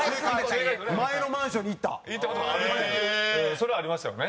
それありましたよね。